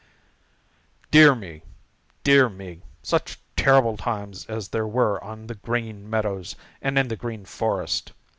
"Dear me, dear me, such terrible times as there were on the Green Meadows and in the Green Forest!